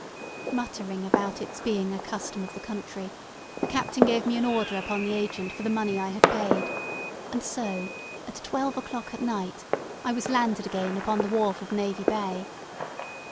Muttering about its being a custom of the country, the captain gave me an order upon the agent for the money I had paid; and so, at twelve o'clock at night, I was landed again upon the wharf of Navy Bay.